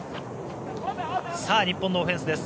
日本のオフェンスです。